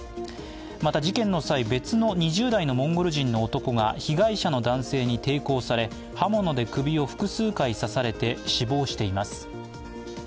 また、事件の際、別の２０代のモンゴル人の男が被害者の男性に抵抗され刃物で首を複数回刺されて死亡しています。